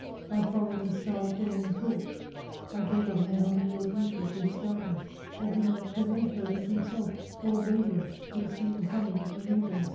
I followed the star of day in thoi]^ht ; I gave up my ideal beauty to his guidance, that he might present her with himself, all radiant, to receive the homage of the universe.